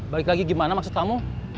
balik lagi gimana maksud kamu